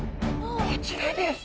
こちらです。